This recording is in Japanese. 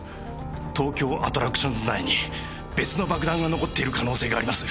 東京アトラクションズ内に別の爆弾が残っている可能性があります。